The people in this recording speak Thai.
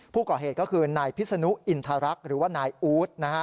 ผู้ก่อเหตุก็คือนายพิศนุอินทรักษ์หรือว่านายอู๊ดนะฮะ